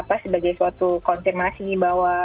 apa sebagai suatu konfirmasi bahwa